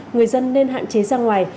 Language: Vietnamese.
người dân nên hạn chế ra ngoài